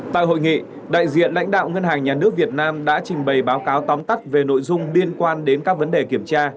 tại hội nghị đại diện lãnh đạo ngân hàng nhà nước việt nam đã trình bày báo cáo tóm tắt về nội dung liên quan đến các vấn đề kiểm tra